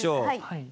はい。